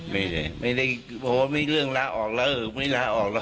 ไม่เพราะว่าไม่เรื่องลาออกแล้วไม่ลาออกหรอก